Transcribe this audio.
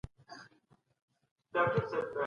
ډیپلوماسي باید د سولي او ثبات لامل سي.